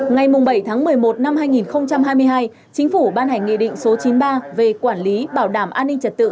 ngày bảy tháng một mươi một năm hai nghìn hai mươi hai chính phủ ban hành nghị định số chín mươi ba về quản lý bảo đảm an ninh trật tự